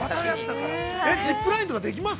ジップラインとかできます？